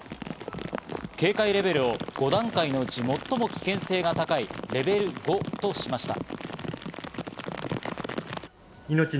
警戒レベルを５段階のうち最も危険性が高いレベル５としました。